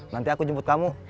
nanti aku jemput kamu